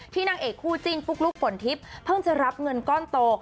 นางเอกคู่จิ้นปุ๊กลุ๊กฝนทิพย์เพิ่งจะรับเงินก้อนโต